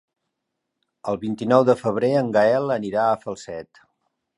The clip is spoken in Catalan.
El vint-i-nou de febrer en Gaël anirà a Falset.